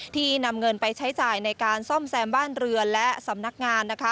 นำเงินไปใช้จ่ายในการซ่อมแซมบ้านเรือนและสำนักงาน